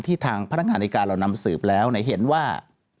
ทางพนักงานในการเรานำสืบแล้วเห็นว่า